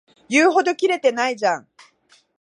言うほどキレてないじゃん